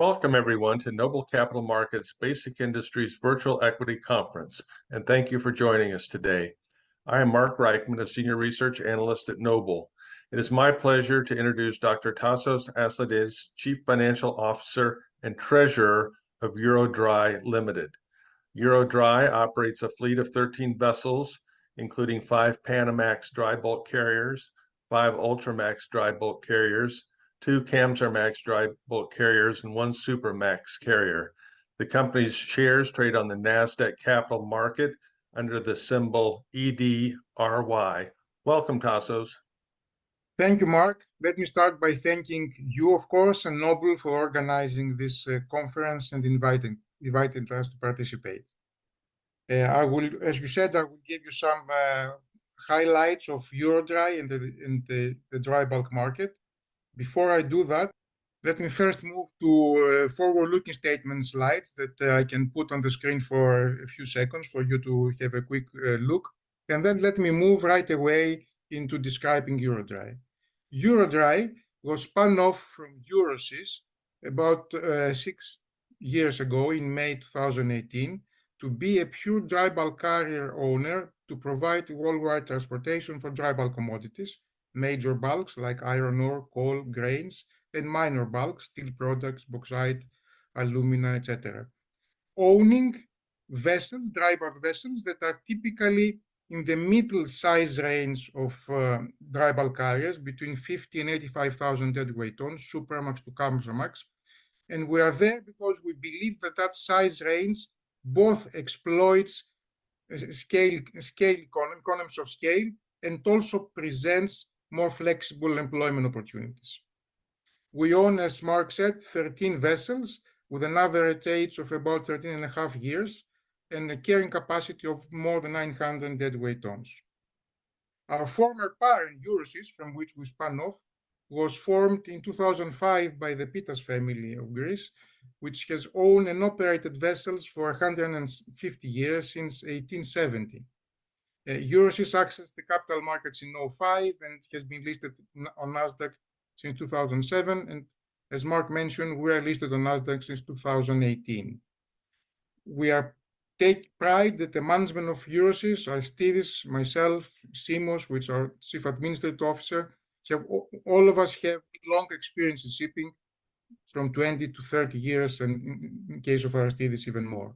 Welcome everyone to Noble Capital Markets Basic Industries Virtual Equity Conference, and thank you for joining us today. I am Mark Reichman, a senior research analyst at Noble. It is my pleasure to introduce Dr. Tasos Aslidis, Chief Financial Officer and Treasurer of EuroDry Limited. EuroDry operates a fleet of thirteen vessels, including five Panamax dry bulk carriers, five Ultramax dry bulk carriers, two Kamsarmax dry bulk carriers, and one Supramax carrier. The company's shares trade on the Nasdaq Capital Market under the symbol EDRY. Welcome, Tasos. Thank you, Mark. Let me start by thanking you, of course, and Noble for organizing this conference and inviting us to participate. As you said, I will give you some highlights of EuroDry and the dry bulk market. Before I do that, let me first move to a forward-looking statement slide that I can put on the screen for a few seconds for you to have a quick look, and then let me move right away into describing EuroDry. EuroDry was spun off from Euroseas about six years ago in May 2018, to be a pure dry bulk carrier owner to provide worldwide transportation for dry bulk commodities, major bulks like iron ore, coal, grains, and minor bulk, steel products, bauxite, alumina, et cetera. Owning vessels, dry bulk vessels, that are typically in the middle size range of dry bulk carriers, between 50,000 and 85,000 deadweight tons, Supramax to Kamsarmax. We are there because we believe that that size range both exploits scale economies of scale, and also presents more flexible employment opportunities. We own, as Mark said, thirteen vessels, with an average age of about 13.5 years, and a carrying capacity of more than 900 deadweight tons. Our former parent, Euroseas, from which we spun off, was formed in 2005 by the Pittas family of Greece, which has owned and operated vessels for a hundred and fifty years, since 1870. Euroseas accessed the capital markets in 2005, and it has been listed on Nasdaq since 2007, and as Mark mentioned, we are listed on Nasdaq since 2018. We take pride that the management of Euroseas, Aristides, myself, Simos, our Chief Administrative Officer, all of us have long experience in shipping, from twenty to thirty years, and in case of Aristides, even more.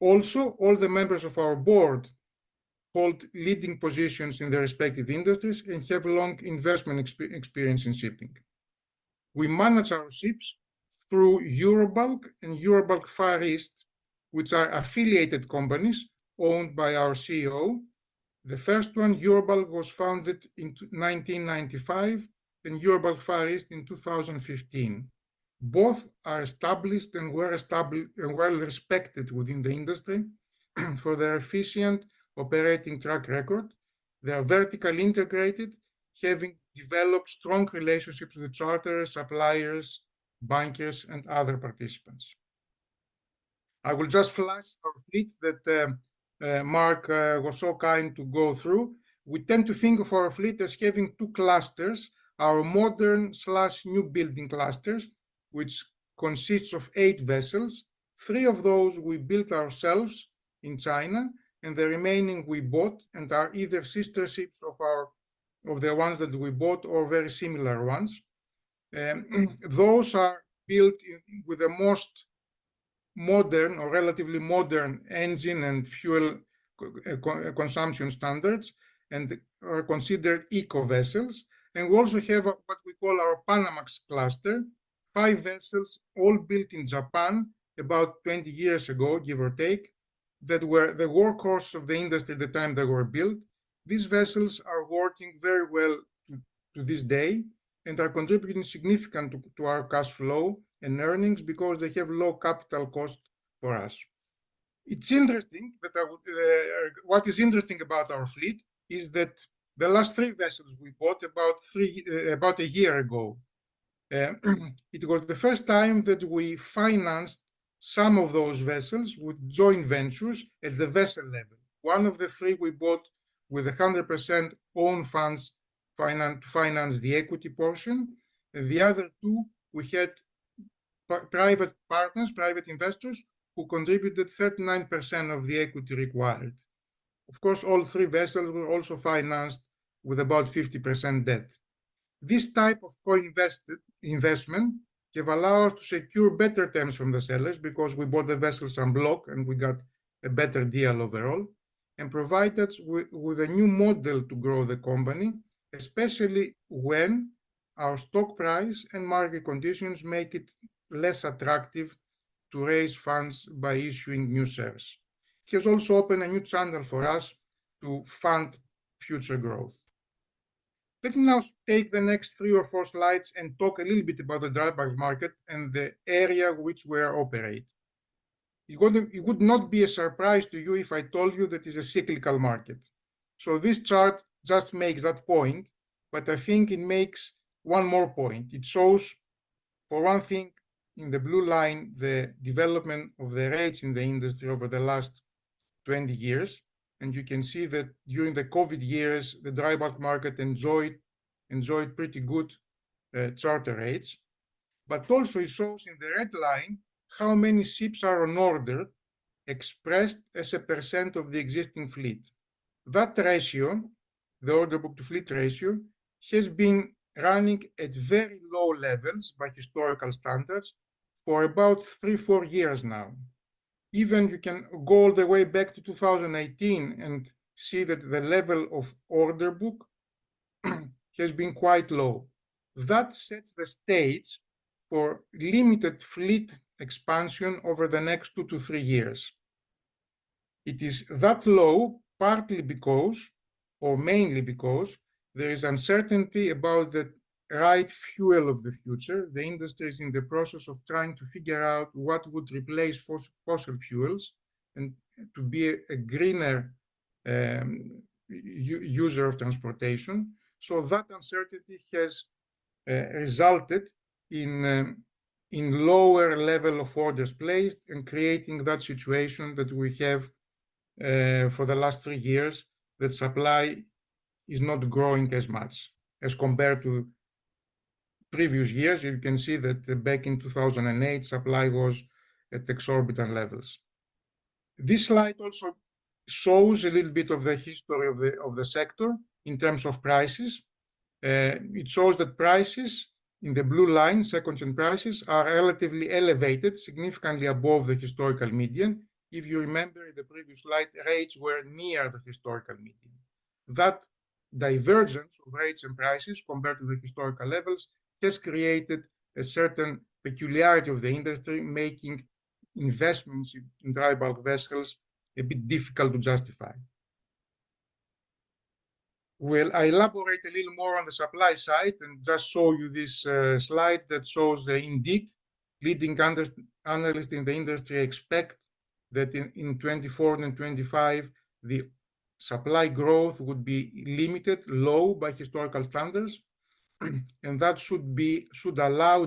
Also, all the members of our board hold leading positions in their respective industries and have long investment experience in shipping. We manage our ships through Eurobulk and Eurobulk Far East, which are affiliated companies owned by our CEO. The first one, Eurobulk, was founded in 1995, and Eurobulk Far East in 2015. Both are established and well-respected within the industry for their efficient operating track record. They are vertically integrated, having developed strong relationships with charterers, suppliers, bankers, and other participants. I will just flash our fleet that, Mark, was so kind to go through. We tend to think of our fleet as having two clusters: our modern/new building clusters, which consists of eight vessels. Three of those we built ourselves in China, and the remaining we bought and are either sister ships of our—of the ones that we bought or very similar ones. Those are built with the most modern or relatively modern engine and fuel consumption standards and are considered eco vessels. We also have a, what we call our Panamax cluster, five vessels all built in Japan about twenty years ago, give or take, that were the workhorse of the industry at the time they were built. These vessels are working very well to this day, and are contributing significant to our cash flow and earnings because they have low capital cost for us. It's interesting, but I would— What is interesting about our fleet is that the last three vessels we bought about three, about a year ago, it was the first time that we financed some of those vessels with joint ventures at the vessel level. One of the three we bought with a 100%-owned funds finance the equity portion. The other two, we had private partners, private investors, who contributed 39% of the equity required. Of course, all three vessels were also financed with about 50% debt. This type of co-invested investment have allowed us to secure better terms from the sellers because we bought the vessels en bloc, and we got a better deal overall and provided us with a new model to grow the company, especially when our stock price and market conditions make it less attractive to raise funds by issuing new shares. It has also opened a new channel for us to fund future growth. Let me now take the next three or four slides and talk a little bit about the dry bulk market and the area which we are operate. It would not be a surprise to you if I told you that it's a cyclical market, so this chart just makes that point, but I think it makes one more point. It shows, for one thing, in the blue line, the development of the rates in the industry over the last 20 years, and you can see that during the COVID years, the dry bulk market enjoyed pretty good charter rates. But also it shows in the red line how many ships are on order, expressed as a percentage of the existing fleet. That ratio, the order book-to-fleet ratio, has been running at very low levels by historical standards for about three, four years now. Even you can go all the way back to 2018 and see that the level of order book has been quite low. That sets the stage for limited fleet expansion over the next two to three years. It is that low, partly because, or mainly because there is uncertainty about the right fuel of the future. The industry is in the process of trying to figure out what would replace fossil fuels and to be a greener user of transportation. So that uncertainty has resulted in lower level of orders placed, and creating that situation that we have for the last three years, that supply is not growing as much as compared to previous years. You can see that back in 2008, supply was at exorbitant levels. This slide also shows a little bit of the history of the sector in terms of prices. It shows that prices, in the blue line, secondhand prices, are relatively elevated, significantly above the historical median. If you remember in the previous slide, the rates were near the historical median. That divergence of rates and prices compared to the historical levels has created a certain peculiarity of the industry, making investments in dry bulk vessels a bit difficult to justify. I elaborate a little more on the supply side and just show you this slide that shows the, indeed, leading independent analysts in the industry expect that in 2024 and 2025, the supply growth would be limited low by historical standards, and that should allow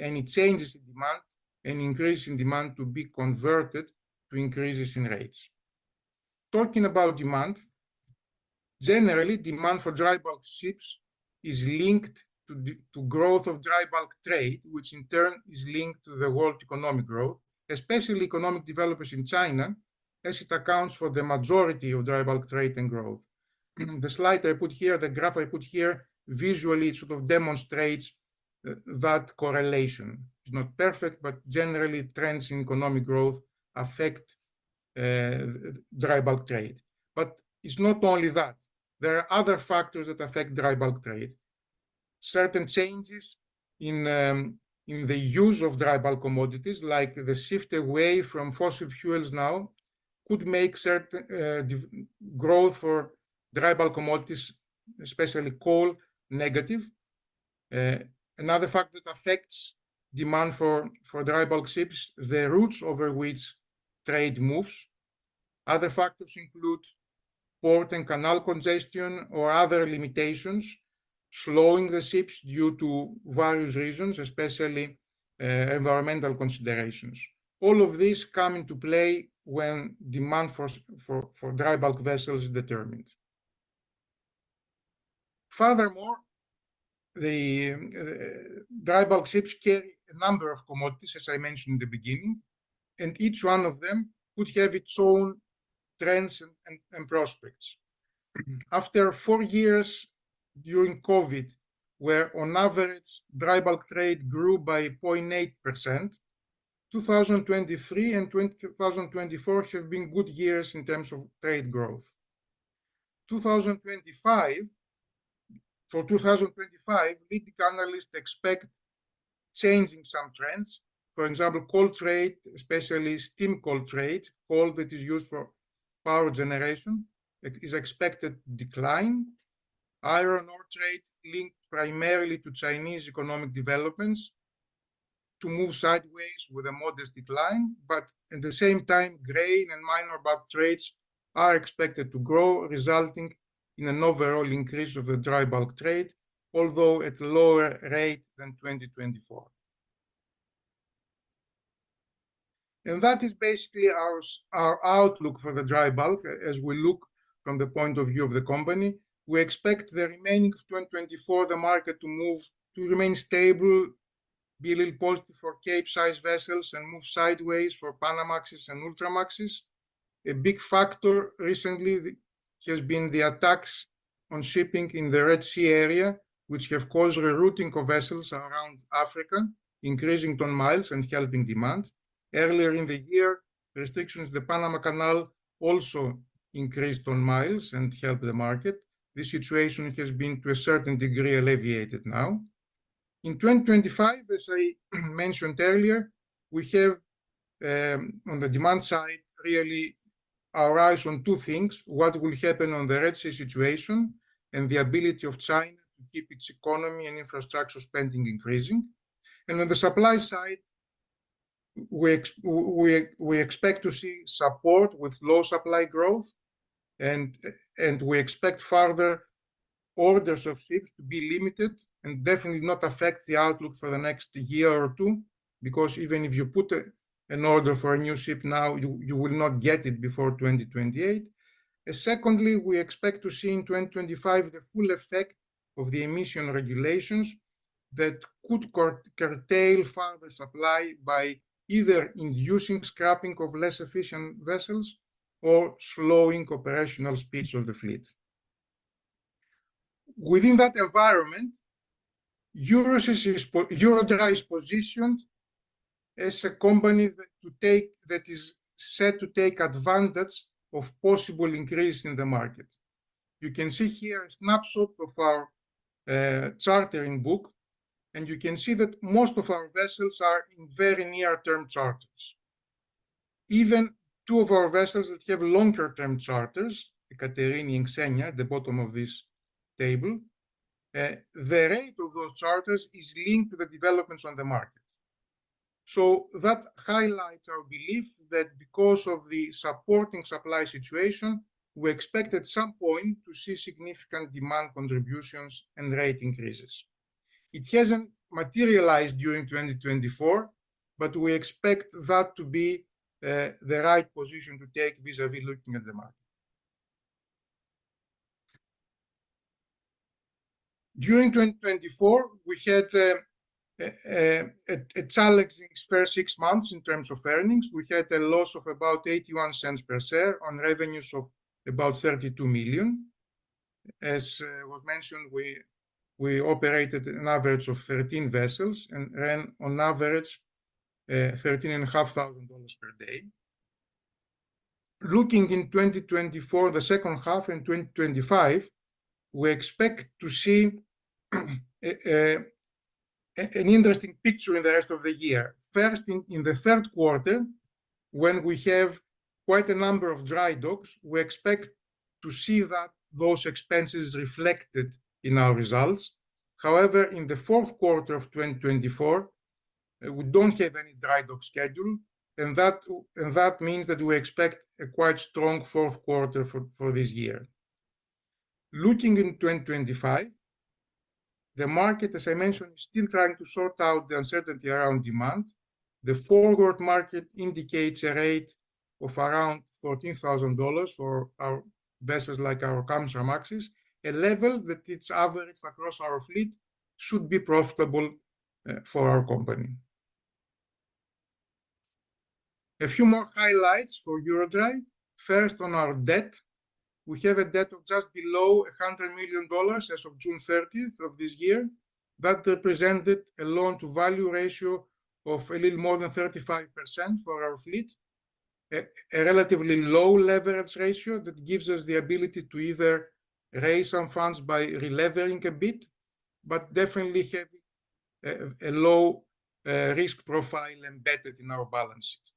any changes in demand and increases in demand to be converted to increases in rates. Talking about demand, generally, demand for dry bulk ships is linked to the growth of dry bulk trade, which in turn is linked to the world economic growth, especially economic developments in China, as it accounts for the majority of dry bulk trade and growth. The slide I put here, the graph I put here, visually sort of demonstrates that correlation. It's not perfect, but generally, trends in economic growth affect dry bulk trade. But it's not only that. There are other factors that affect dry bulk trade. Certain changes in the use of dry bulk commodities, like the shift away from fossil fuels now, could make certain growth for dry bulk commodities, especially coal, negative. Another factor that affects demand for dry bulk ships, the routes over which trade moves. Other factors include port and canal congestion or other limitations, slowing the ships due to various reasons, especially environmental considerations. All of these come into play when demand for dry bulk vessels is determined. Furthermore, dry bulk ships carry a number of commodities, as I mentioned in the beginning, and each one of them could have its own trends and prospects. After four years during COVID, where on average, dry bulk trade grew by 0.8%, 2023 and 2024 have been good years in terms of trade growth. For 2025, leading analysts expect change in some trends. For example, coal trade, especially steam coal trade, coal that is used for power generation, it is expected decline. Iron ore trade, linked primarily to Chinese economic developments, to move sideways with a modest decline, but at the same time, grain and minor bulk trades are expected to grow, resulting in an overall increase of the dry bulk trade, although at a lower rate than 2024. And that is basically our our outlook for the dry bulk as we look from the point of view of the company. We expect the remaining of 2024, the market to move, to remain stable, be a little positive for Capesize vessels and move sideways for Panamax and Ultramaxes. A big factor recently has been the attacks on shipping in the Red Sea area, which have caused rerouting of vessels around Africa, increasing ton miles and helping demand. Earlier in the year, restrictions in the Panama Canal also increased ton miles and helped the market. This situation has been, to a certain degree, alleviated now. In 2025, as I mentioned earlier, we have, on the demand side, really our eyes on two things: what will happen on the Red Sea situation and the ability of China to keep its economy and infrastructure spending increasing. On the supply side, we expect to see support with low supply growth, and we expect further orders of ships to be limited and definitely not affect the outlook for the next year or two, because even if you put an order for a new ship now, you will not get it before 2028. And secondly, we expect to see in 2025 the full effect of the emission regulations that could curtail further supply by either inducing scrapping of less efficient vessels or slowing operational speeds of the fleet. Within that environment, EuroDry is positioned as a company that is set to take advantage of possible increase in the market. You can see here a snapshot of our chartering book, and you can see that most of our vessels are in very near-term charters. Even two of our vessels that have longer-term charters, the EKATERINI and XENIA, at the bottom of this table, the rate of those charters is linked to the developments on the market. So that highlights our belief that because of the supporting supply situation, we expect at some point to see significant demand contributions and rate increases. It hasn't materialized during 2024, but we expect that to be the right position to take vis-a-vis looking at the market. During 2024, we had a challenging first six months in terms of earnings. We had a loss of about $0.81 per share on revenues of about $32 million. As was mentioned, we operated an average of 13 vessels and ran on average $13,500 per day. Looking in 2024, the second half in 2025, we expect to see an interesting picture in the rest of the year. First, in the third quarter, when we have quite a number of dry docks, we expect to see that those expenses reflected in our results. However, in the fourth quarter of 2024, we don't have any dry dock schedule, and that means that we expect a quite strong fourth quarter for this year. Looking in 2025, the market, as I mentioned, is still trying to sort out the uncertainty around demand. The forward market indicates a rate of around $14,000 for our vessels like our Kamsarmaxes, a level that is average across our fleet should be profitable for our company. A few more highlights for EuroDry. First, on our debt. We have a debt of just below $100 million as of June 30th of this year. That represented a loan-to-value ratio of a little more than 35% for our fleet. A relatively low leverage ratio that gives us the ability to either raise some funds by re-levering a bit, but definitely have a low risk profile embedded in our balance sheet.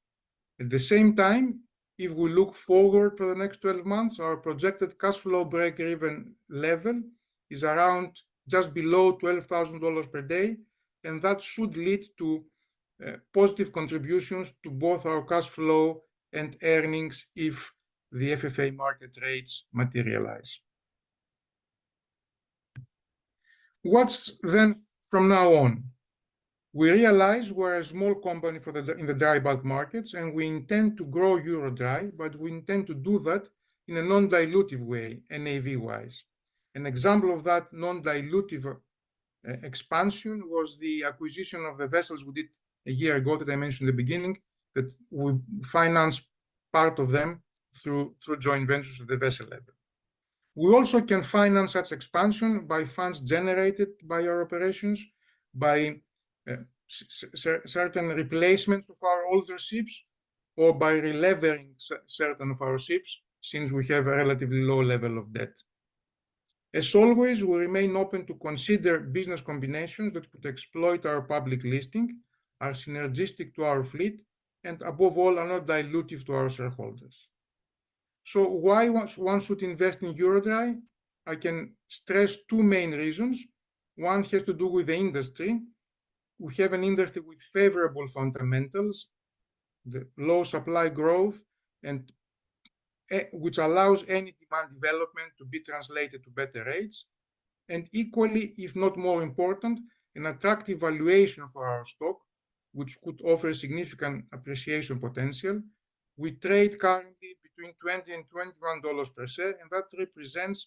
At the same time, if we look forward to the next 12 months, our projected cash flow break-even level is around just below $12,000 per day, and that should lead to positive contributions to both our cash flow and earnings if the FFA market rates materialize. What's then from now on? We realize we're a small company for the— In the dry bulk markets, and we intend to grow EuroDry, but we intend to do that in a non-dilutive way, NAV-wise. An example of that non-dilutive expansion was the acquisition of the vessels we did a year ago, that I mentioned in the beginning, that we financed part of them through joint ventures at the vessel level. We also can finance such expansion by funds generated by our operations, by certain replacements of our older ships, or by re-levering certain of our ships, since we have a relatively low level of debt. As always, we remain open to consider business combinations that could exploit our public listing, are synergistic to our fleet, and above all, are not dilutive to our shareholders. So why one should invest in EuroDry? I can stress two main reasons. One has to do with the industry. We have an industry with favorable fundamentals, the low supply growth, and which allows any demand development to be translated to better rates. And equally, if not more important, an attractive valuation for our stock, which could offer significant appreciation potential. We trade currently between $20 and $21 per share, and that represents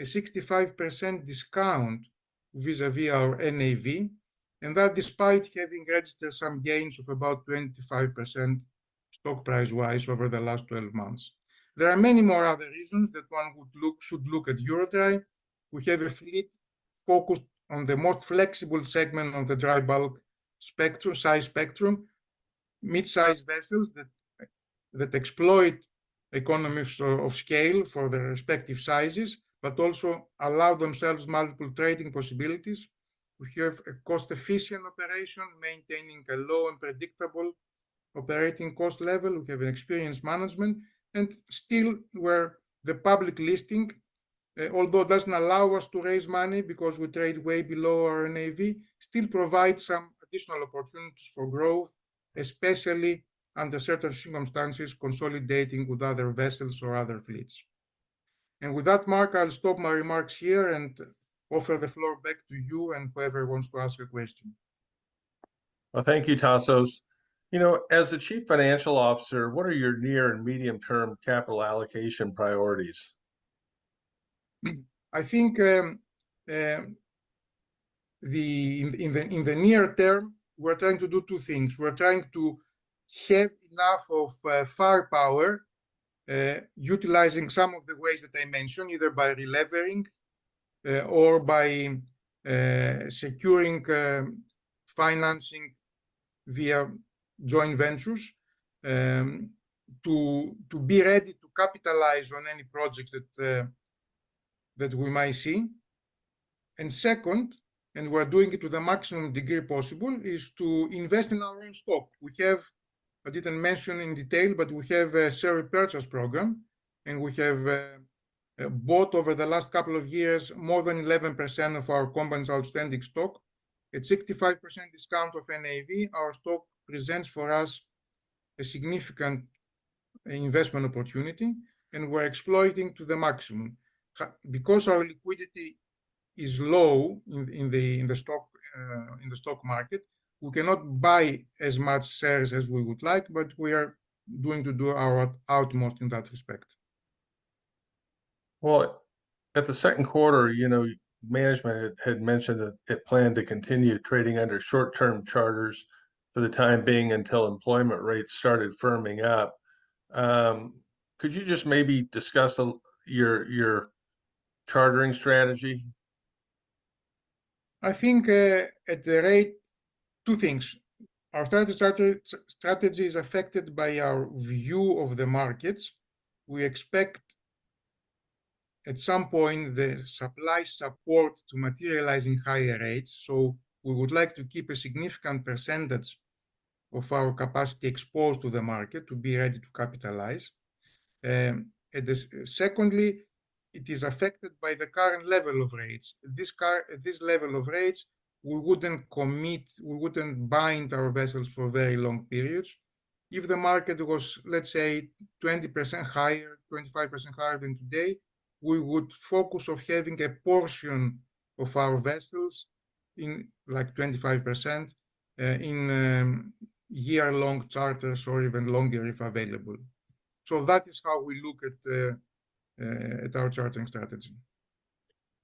a 65% discount vis-à-vis our NAV, and that despite having registered some gains of about 25%, stock price-wise, over the last 12 months. There are many more other reasons that one would look. Should look at EuroDry. We have a fleet focused on the most flexible segment on the dry bulk spectrum, size spectrum, mid-size vessels that exploit economies of scale for their respective sizes, but also allow themselves multiple trading possibilities. We have a cost-efficient operation, maintaining a low and predictable operating cost level. We have an experienced management, and still we're the public listing, although it doesn't allow us to raise money because we trade way below our NAV, still provides some additional opportunities for growth, especially under certain circumstances, consolidating with other vessels or other fleets, and with that, Mark, I'll stop my remarks here and offer the floor back to you and whoever wants to ask a question. Thank you, Tasos. You know, as the Chief Financial Officer, what are your near- and medium-term capital allocation priorities? I think, in the near term, we're trying to do two things. We're trying to have enough firepower, utilizing some of the ways that I mentioned, either by re-levering, or by securing financing via joint ventures, to be ready to capitalize on any projects that we might see. Second, and we're doing it to the maximum degree possible, is to invest in our own stock. We have—I didn't mention in detail, but we have a share repurchase program, and we have bought over the last couple of years more than 11% of our company's outstanding stock. At 65% discount of NAV, our stock presents for us a significant investment opportunity, and we're exploiting to the maximum. Because our liquidity is low in the stock market, we cannot buy as much shares as we would like, but we are going to do our utmost in that respect. At the second quarter, you know, management had mentioned that it planned to continue trading under short-term charters for the time being until employment rates started firming up. Could you just maybe discuss your chartering strategy? I think, at this rate, two things. Our charter strategy is affected by our view of the markets. We expect at some point the supply support to materialize in higher rates, so we would like to keep a significant percentage of our capacity exposed to the market to be ready to capitalize. Secondly, it is affected by the current level of rates. At this level of rates, we wouldn't commit, we wouldn't bind our vessels for very long periods. If the market was, let's say, 20% higher, 25% higher than today, we would focus on having a portion of our vessels, like 25%, in year-long charters or even longer, if available. So that is how we look at our chartering strategy.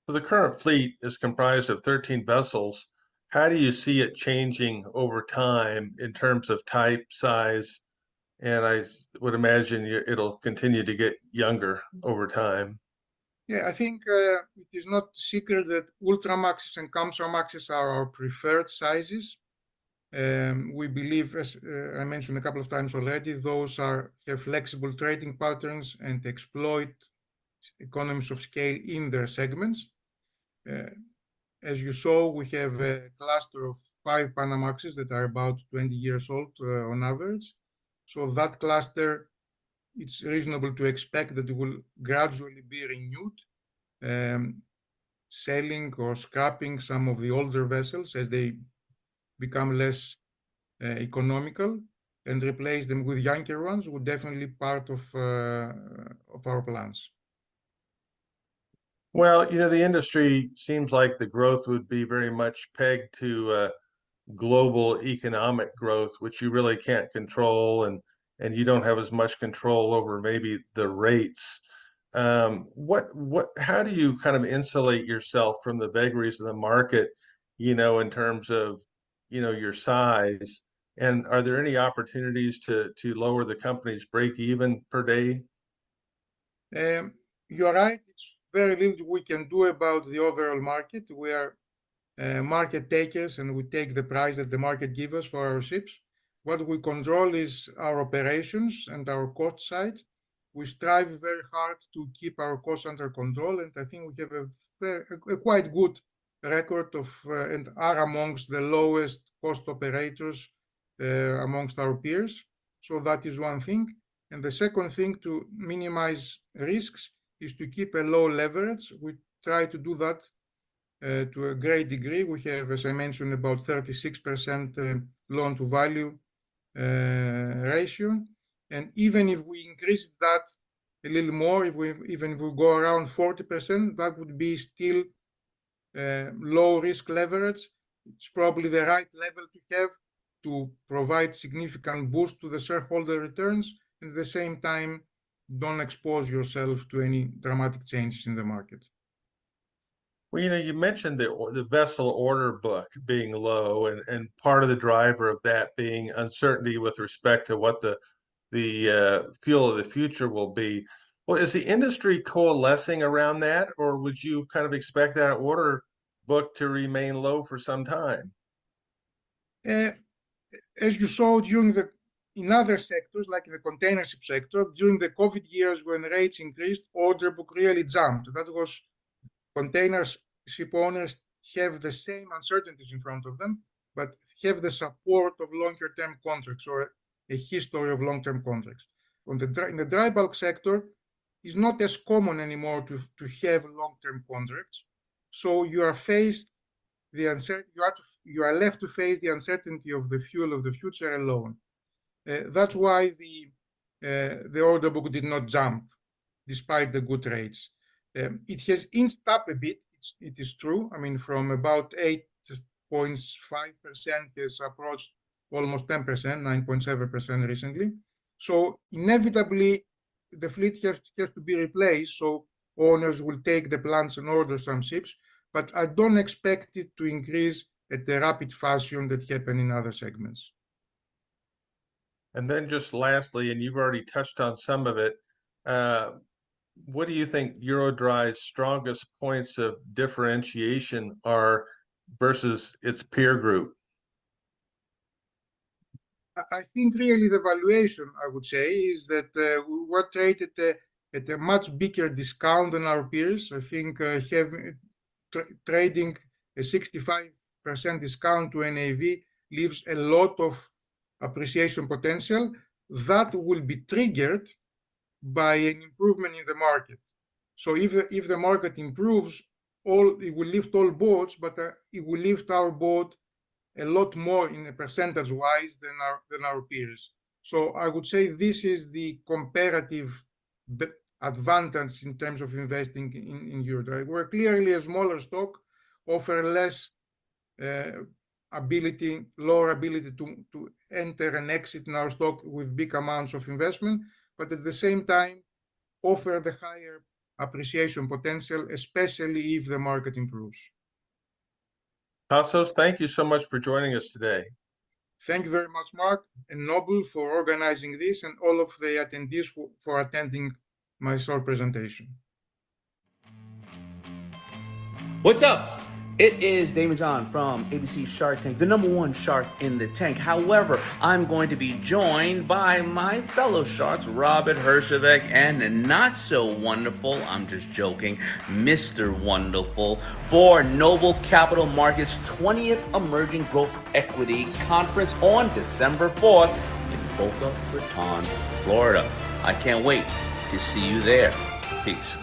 The current fleet is comprised of 13 vessels. How do you see it changing over time in terms of type, size, and I would imagine, it'll continue to get younger over time? Yeah, I think, it is not a secret that Ultramaxes and Kamsarmaxes are our preferred sizes. We believe, as, I mentioned a couple of times already, have flexible trading patterns and exploit economies of scale in their segments. As you saw, we have a cluster of five Panamaxes that are about 20 years old, on average. So that cluster, it's reasonable to expect that it will gradually be renewed, selling or scrapping some of the older vessels as they become less, economical, and replace them with younger ones, were definitely part of, of our plans. You know, the industry seems like the growth would be very much pegged to global economic growth, which you really can't control, and you don't have as much control over maybe the rates. What, how do you kind of insulate yourself from the vagaries of the market, you know, in terms of, you know, your size? And are there any opportunities to lower the company's break-even per day? You are right. It's very little we can do about the overall market. We are market takers, and we take the price that the market give us for our ships. What we control is our operations and our cost side. We strive very hard to keep our costs under control, and I think we have a quite good record of and are amongst the lowest cost operators amongst our peers. So that is one thing. And the second thing to minimize risks is to keep a low leverage. We try to do that to a great degree. We have, as I mentioned, about 36% loan-to-value ratio, and even if we increase that a little more, if we go around 40%, that would be still low-risk leverage. It's probably the right level to have to provide significant boost to the shareholder returns, and at the same time, don't expose yourself to any dramatic changes in the market. You know, you mentioned the vessel order book being low, and part of the driver of that being uncertainty with respect to what the fuel of the future will be. Is the industry coalescing around that, or would you kind of expect that order book to remain low for some time? As you saw in other sectors, like in the container ship sector, during the COVID years when rates increased, order book really jumped. That was container ship owners have the same uncertainties in front of them but have the support of longer-term contracts or a history of long-term contracts. In the dry bulk sector, it's not as common anymore to have long-term contracts, so you are left to face the uncertainty of the future alone. That's why the order book did not jump despite the good rates. It has inched up a bit, it is true. I mean, from about 8.5%, it has approached almost 10%, 9.7% recently. So inevitably, the fleet has to be replaced, so owners will take the plans and order some ships, but I don't expect it to increase at the rapid fashion that happened in other segments. And then just lastly, and you've already touched on some of it, what do you think EuroDry's strongest points of differentiation are versus its peer group? I think really the valuation, I would say, is that we're traded at a much bigger discount than our peers. I think having trading a 65% discount to NAV leaves a lot of appreciation potential. That will be triggered by an improvement in the market. So if the market improves, it will lift all boats, but it will lift our boat a lot more in a percentage-wise than our peers. So I would say this is the comparative advantage in terms of investing in EuroDry. We're clearly a smaller stock, offer less ability, lower ability to enter and exit in our stock with big amounts of investment, but at the same time, offer the higher appreciation potential, especially if the market improves. Tasos, thank you so much for joining us today. Thank you very much, Mark, and Noble for organizing this, and all of the attendees for attending my short presentation. What's up? It is Daymond John from ABC's Shark Tank, the number one shark in the tank. However, I'm going to be joined by my fellow sharks, Robert Herjavec, and the not-so-wonderful, I'm just joking, Mr. Wonderful, for Noble Capital Markets' 20th Emerging Growth Equity Conference on December 4th in Boca Raton, Florida. I can't wait to see you there. Peace.